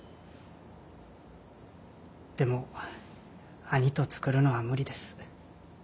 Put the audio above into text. でも兄と作るのは無理です。